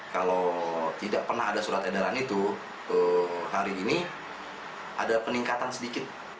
kalau tidak pernah ada surat edaran itu hari ini ada peningkatan sedikit